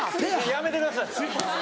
やめてください。